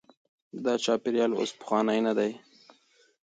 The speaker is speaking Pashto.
دا چاپیریال اوس پخوانی نه دی.